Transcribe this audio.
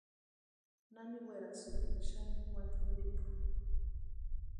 Nani werasïnti xani wani kwʼiripu.